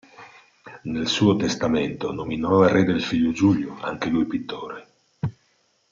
Nel suo testamento nominò erede il figlio Giulio, anche lui pittore.